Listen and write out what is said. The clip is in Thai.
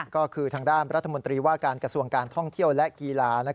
ก็คือทางด้านรัฐมนตรีว่าการกระทรวงการท่องเที่ยวและกีฬา